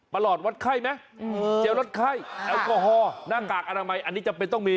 หลอดวัดไข้ไหมเจลวัดไข้แอลกอฮอล์หน้ากากอนามัยอันนี้จำเป็นต้องมี